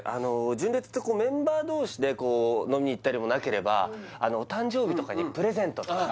純烈ってメンバー同士でこう飲みに行ったりもなければあの誕生日とかにプレゼントとか・